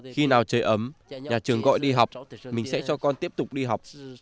khi nào trời ấm nhà trường gọi đi học mình sẽ cho con tiếp tục đi học